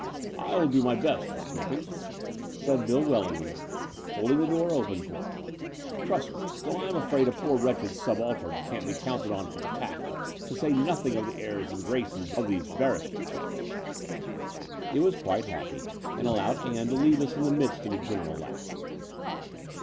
"I'll do my best, Miss Clymping," said Bill Wellingham, holding the door open for her. "Trust me, though I'm afraid a poor wretched subaltern can't be cotmted on for the tact, to say nothing of the airs and graces, of these barrister diaps." It was quite happy, and allowed Ann to leave us in the midst of a general laugh.